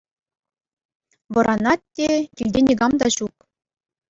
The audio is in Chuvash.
Вӑранать те — килте никам та ҫук.